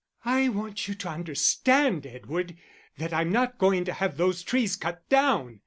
"I want you to understand, Edward, that I'm not going to have those trees cut down.